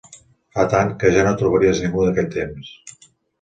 Fa tant, que ja no trobaries ningú d'aquell temps.